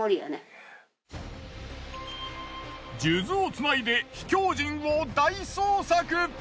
数珠をつないで秘境人を大捜索！